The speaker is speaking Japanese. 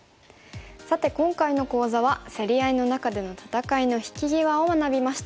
さて今回の講座は競り合いの中での戦いの引き際を学びました。